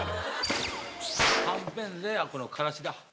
はんぺんでこのからしだ。